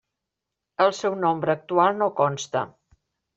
El seu nombre actual no consta.